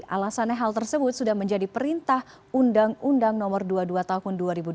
alasannya hal tersebut sudah menjadi perintah undang undang no dua puluh dua tahun dua ribu dua